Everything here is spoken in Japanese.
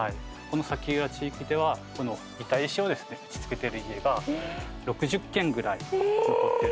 この崎浦地域ではこの板石をですね打ちつけている家が６０軒ぐらい残ってるんですよ。